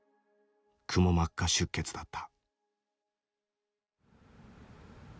くも膜下出血だった。